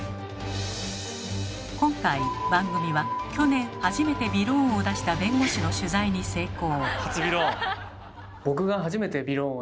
今回番組は去年初めてびろーんを出した弁護士の取材に成功。